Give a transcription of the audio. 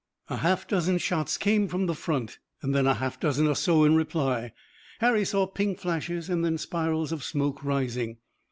A half dozen shots came from the front, and then a half dozen or so in reply. Harry saw pink flashes, and then spirals of smoke rising.